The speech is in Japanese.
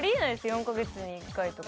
４カ月に１回とか。